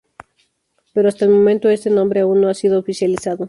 Pero hasta el momento, este nombre aún no ha sido oficializado.